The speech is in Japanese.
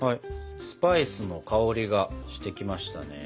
スパイスの香りがしてきましたね。